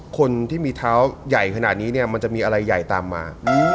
คนที่มีเท้าใหญ่ขนาดนี้เนี่ยมันจะมีอะไรใหญ่ตามมา